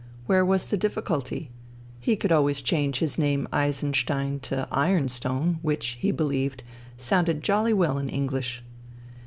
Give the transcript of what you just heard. Where was the difficulty ? He could always change his name Eisenstein to Ironstone, which, he believed, sounded jolly well in English.